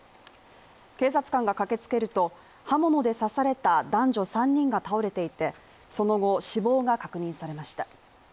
警察官が駆けつけると、刃物で刺された男女３人が倒れていて、その後死亡が確認されました。